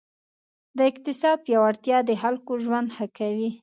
د اقتصاد پیاوړتیا د خلکو ژوند ښه کوي.